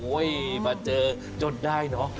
มาเจอจนได้เนอะ